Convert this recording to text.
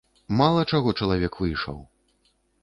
Мала чаго чалавек выйшаў.